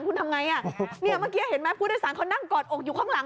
คุณทำไงอ่ะเนี่ยเมื่อกี้เห็นไหมผู้โดยสารเขานั่งกอดอกอยู่ข้างหลัง